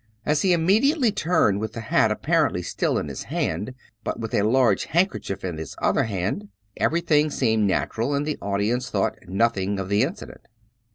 As he immedi ately turned with the hat apparently still in his hand, but with a large handkerchief in his other hand, ever)rthing seemed natural and the audience thought nothing of the incident.